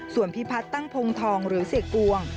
ส่วนพิพัฒน์ตั้งพงทองหรือเสียกวง